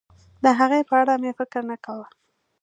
د هغې په اړه مې فکر نه کاوه.